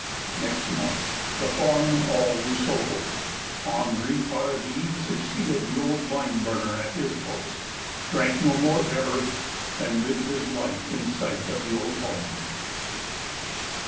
Next month the farm and all were sold, Henri Para dis succeeded the old lime burner at his post, drank no more ever, and lived his life in sight of the old home.